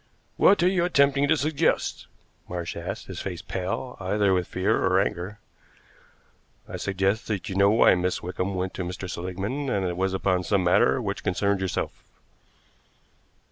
"What are you attempting to suggest?" Marsh asked, his face pale, either with fear or anger. "I suggest that you know why Miss Wickham went to Mr. Seligmann and that it was upon some matter which concerned yourself."